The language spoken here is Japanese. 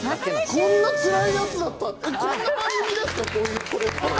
こんなつらいやつだった？